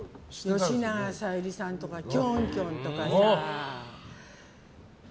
吉永小百合さんとかキョンキョンとかさ。